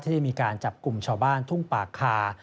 ได้มีการจับกลุ่มชาวบ้านทุ่งปากคา